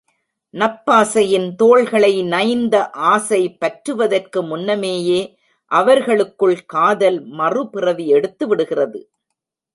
நப்பாசையின் தோள்களை நைந்த ஆசை பற்றுவதற்கு முன்னமேயே அவர்களுக்குள் காதல் மறுபிறவி எடுத்துவிடுகிறது.